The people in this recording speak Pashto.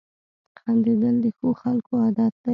• خندېدل د ښو خلکو عادت دی.